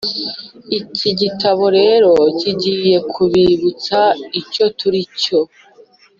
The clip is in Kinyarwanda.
iki gitabo rero kigiye kubibutsa icyo turi cyo